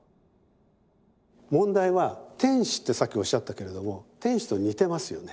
問題は「天使」ってさっきおっしゃったけれども天使と似てますよね。